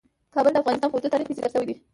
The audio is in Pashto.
کابل د افغانستان په اوږده تاریخ کې ذکر شوی دی.